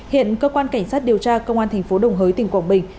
hiện cơ quan cảnh sát điều tra công an thành phố đồng hới tỉnh quảng bình